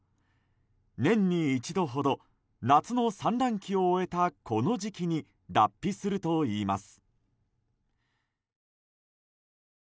年に一度ほど夏の産卵期を終えたこの時期に脱皮するといいます。